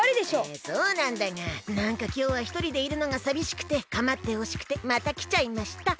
そうなんだがなんかきょうはひとりでいるのがさびしくてかまってほしくてまたきちゃいました。